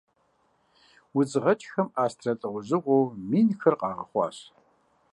Удз гъэкӏхэм астрэ лӏэужьыгъуэу минхэр къагъэхъуащ.